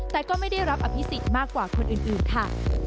แต่ก็ไม่ได้รับอภิษฎมากกว่าคนอื่นค่ะ